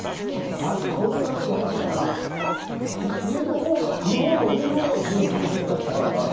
あれポルトガルって面白いのが上の方が日本は上の方が高級住宅街じゃない。